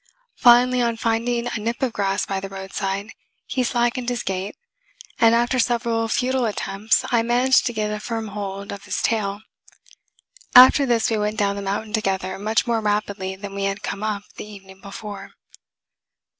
Finally, on finding a nip of grass by the roadside, he slackened his gait, and after several futile attempts I managed to get a firm hold of his tail. After this we went down the mountain together, much more rapidly than we had come up the evening before.